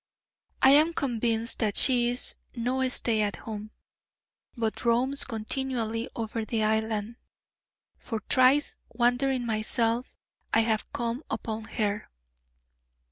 I am convinced that she is no stay at home, but roams continually over the island: for thrice, wandering myself, I have come upon her.